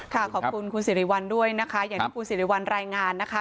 ขอบคุณคุณสิริวัลด้วยนะคะอย่างที่คุณสิริวัลรายงานนะคะ